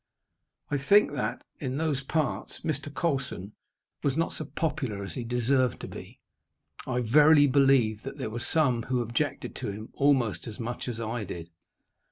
I think that, in those parts, Mr. Colson was not so popular as he deserved to be. I verily believe that there were some who objected to him almost as much as I did.